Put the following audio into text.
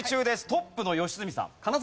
トップの良純さん。